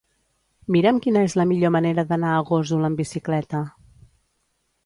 Mira'm quina és la millor manera d'anar a Gósol amb bicicleta.